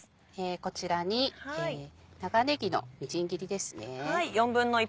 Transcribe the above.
こちらに長ねぎのみじん切りです。